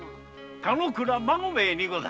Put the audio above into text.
田之倉孫兵衛にございます。